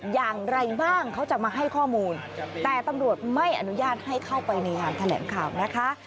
อย่างไรบ้างเขาจะมาให้ข้อมูลแต่ตำรวจไม่อนุญาตให้เข้าไปในงานแถลงข่าวนะคะ